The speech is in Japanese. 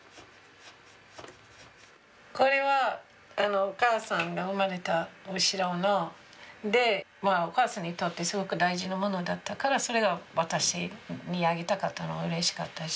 これはお母さんが生まれたお城のでお母さんにとってすごく大事な物だったからそれが私にあげたかったのうれしかったし。